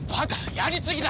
やりすぎだ！